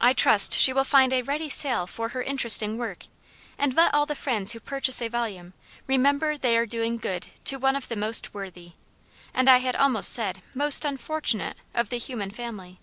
I trust she will find a ready sale for her interesting work; and let all the friends who purchase a volume, remember they are doing good to one of the most worthy, and I had almost said most unfortunate, of the human family.